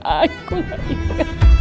aku gak inget